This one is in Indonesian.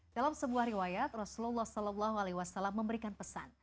dalam sebuah riwayat rasulullah saw memberikan pesan